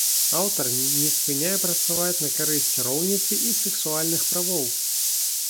Аўтар не спыняе працаваць на карысць роўніцы і сексуальных правоў.